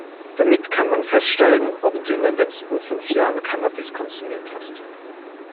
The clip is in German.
Damit kann man feststellen, ob du in den letzten fünf Jahren Cannabis konsumiert hast.